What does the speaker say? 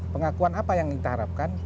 pengakuan apa yang kita harapkan